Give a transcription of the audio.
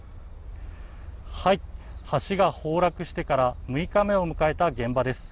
橋が崩落してから６日目を迎えた現場です。